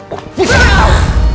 gua bisa tahu